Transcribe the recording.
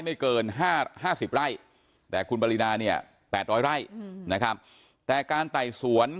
ไม่เกิน๕๐ไร่แต่คุณปรินาเนี่ย๘๐๐ไร่นะครับแต่การไต่สวน